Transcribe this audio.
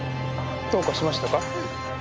どうかしましたか？